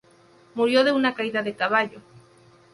Murió de una caída de caballo.